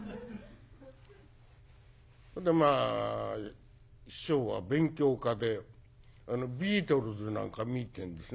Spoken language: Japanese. まあ師匠は勉強家でビートルズなんか見てんですね。